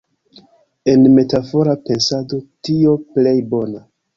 En metafora pensado "tio plej bona".